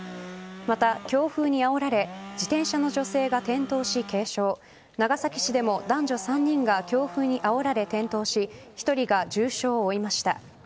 また、強風にあおられ自転車の女性が転倒し軽傷長崎市でも男女３人が強風にあおられ転倒し１人が重傷を負いました。